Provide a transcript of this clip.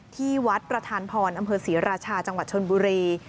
ที่วัดประธานพรอำเภอศรีราชาจังหวัดชนบุรี